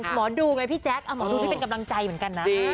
หมอดูไงพี่แจ๊คหมอดูที่เป็นกำลังใจเหมือนกันนะ